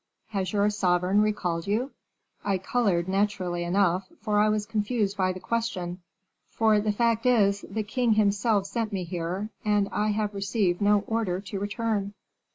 Has your sovereign recalled you?' I colored, naturally enough, for I was confused by the question; for the fact is, the king himself sent me here, and I have received no order to return."